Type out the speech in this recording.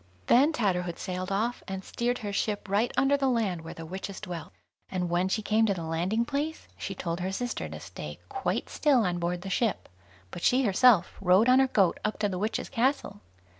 Then Tatterhood sailed off, and steered her ship right under the land where the witches dwelt, and when she came to the landing place, she told her sister to stay quite still on board the ship; but she herself rode on her goat up to the witches' castle.